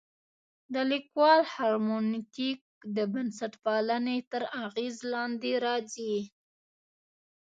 د لیکوال هرمنوتیک د بنسټپالنې تر اغېز لاندې راځي.